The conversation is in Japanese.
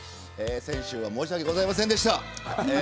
先週は申し訳ございませんでした。